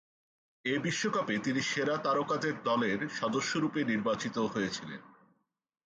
এ বিশ্বকাপে তিনি সেরা তারকাদের দলের সদস্যরূপে নির্বাচিত হয়েছিলেন।